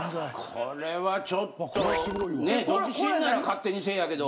これはちょっと独身なら勝手にせえやけど。